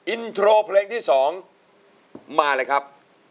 อินโทรเพลงที่๒มาเลยครับ